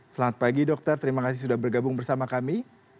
selamat pagi dokter terima kasih sudah bergabung bersama kami